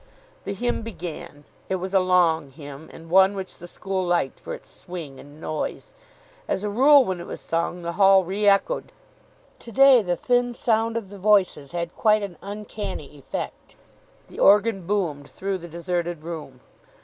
The hymn began. It was a long hymn, and one which the school liked for its swing and noise. As a rule, when it was sung, the Hall re echoed. To day, the thin sound of the voices had quite an uncanny effect. The organ boomed through the deserted room.